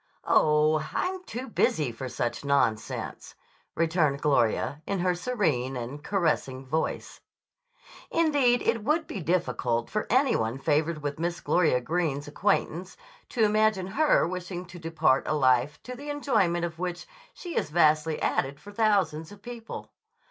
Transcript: "Oh, I'm too busy for such nonsense," returned Gloria in her serene and caressing voice. Indeed, it would be difficult for any one favored with Miss Gloria Greene's acquaintance to imagine her wishing to depart a life to the enjoyment of which she has vastly added for thousands of people.